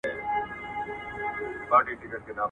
• کټورى که مات سو، که نه سو، ازانگه ئې ولاړه.